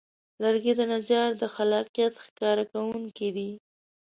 لرګی د نجار د خلاقیت ښکاره کوونکی دی.